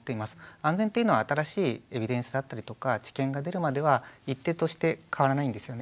「安全」っていうのは新しいエビデンスであったりとか知見が出るまでは一定として変わらないんですよね。